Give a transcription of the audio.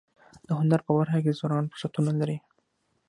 د هنر په برخه کي ځوانان فرصتونه لري.